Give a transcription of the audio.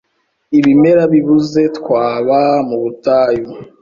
Ibimera bibuze twaba mu butayu.